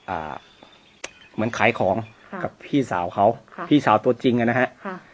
อ่าเหมือนขายของค่ะกับพี่สาวเขาค่ะพี่สาวตัวจริงอ่ะนะฮะค่ะ